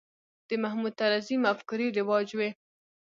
د محمود طرزي مفکورې رواج وې.